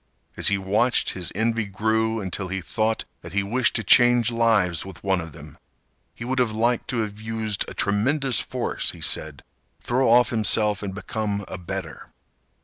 As he watched his envy grew until he thought that he wished to change lives with one of them. He would have liked to have used a tremendous force, he said, throw off himself and become a better.